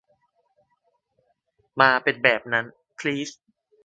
มาเป็นแบบนั้น พลีส